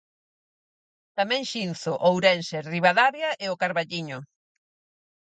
Tamén Xinzo, Ourense, Ribadavia e O Carballiño.